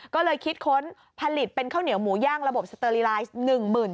ก็เลยคิดค้นผลิตเป็นข้าวเหนียวหมูย่างระบบสเตอร์ลีไลน์